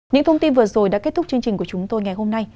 những thông tin vừa rồi đã kết thúc chương trình của chúng tôi ngày hôm nay